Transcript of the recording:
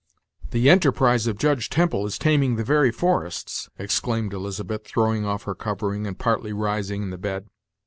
"The enterprise of Judge Temple is taming the very forests!" exclaimed Elizabeth, throwing off the covering, and partly rising in the bed.